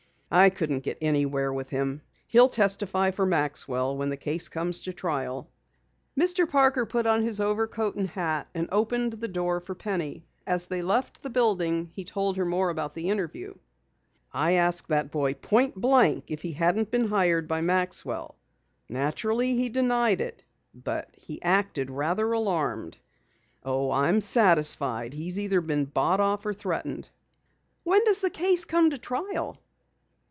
I couldn't get anywhere with him. He'll testify for Maxwell when the case comes to trial." Mr. Parker put on his overcoat and hat, and opened the door for Penny. As they left the building he told her more about the interview. "I asked the boy point blank if he hadn't been hired by Maxwell. Naturally, he denied it, but he acted rather alarmed. Oh, I'm satisfied he's either been bought off or threatened." "When does the case come to trial?"